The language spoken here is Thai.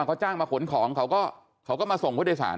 เขาจ้างมาขนของเขาก็เขาก็มาส่งผู้โดยสาร